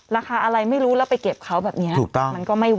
ราคาอะไรไม่รู้แล้วไปเก็บเขาแบบนี้